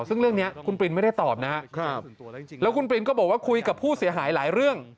ซึ่งเรื่องนี้คุณปรินไม่ได้ตอบนะครับแล้วคุณปรินก็บอกว่าคุยกับผู้เสียหายหลายเรื่อง